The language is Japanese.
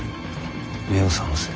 目を覚ませ。